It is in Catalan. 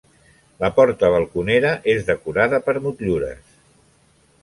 La porta balconera és decorada per motllures.